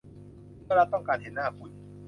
เมื่อรัฐต้องการเห็นหน้าคุณ